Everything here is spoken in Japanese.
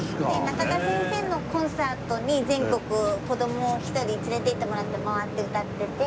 中田先生のコンサートに全国子ども１人連れて行ってもらって回って歌ってて。